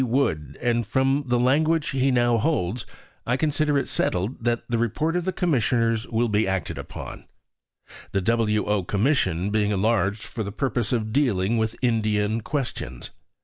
Wood, and from the language he now holds, I consider it settled that the report of the commissioners will be acted upon the W.O. Commission being enlarged for the purpose of dealing with Indian questions.